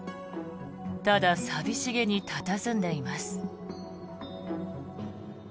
ただ寂しげに佇んでいます。